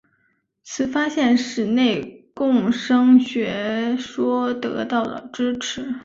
此发现使内共生学说得到了支持。